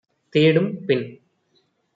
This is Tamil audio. தேடும் - பின்